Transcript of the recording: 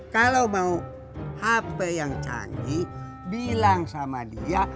kalau mau hp yang canggih bilang sama dia